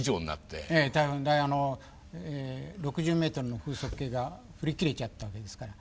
６０ｍの風速計が振り切れちゃったわけですから。